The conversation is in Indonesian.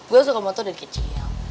gue suka motor dari kecil